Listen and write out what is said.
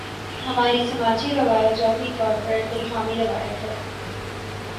ہماری سماجی روایت جوہری طور پر الہامی روایت ہے۔